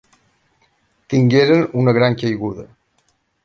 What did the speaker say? Tingueren una gran caiguda.